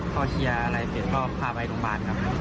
เขาเชียร์อะไรเปลี่ยนก็พาไปโรงพยาบาลครับ